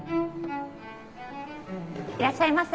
いらっしゃいませ。